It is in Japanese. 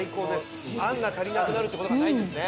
あんが足りなくなるって事がないんですね。